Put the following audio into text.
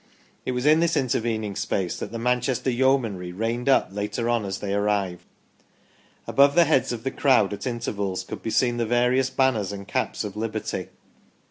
It was in this intervening space that the Manchester Yeomanry reined up later on as they arrived. Above the heads of the crowd, at intervals, could be seen the various banners and caps of liberty.